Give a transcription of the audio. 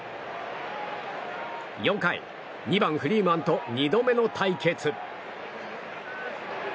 ４回、２番フリーマンと２度目の対決。